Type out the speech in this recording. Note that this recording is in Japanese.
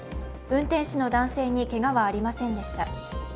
運転手の男性にけがはありませんでした。